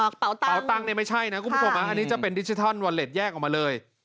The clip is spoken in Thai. เป่าตังค์เนี่ยไม่ใช่นะคุณผู้ชมอันนี้จะเป็นดิจิทัลวอเล็ตแยกออกมาเลย